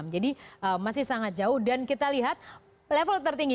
jadi masih sangat jauh dan kita lihat level tertinggi